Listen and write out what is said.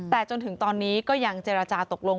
แต่จนถึงตอนนี้ก็ยังเจรจาตกลง